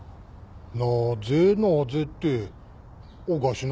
なぜなぜっておかしな人だな。